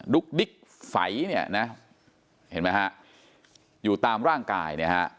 ุ๊กดิ๊กไฝเนี่ยนะเห็นไหมฮะอยู่ตามร่างกายเนี่ยฮะ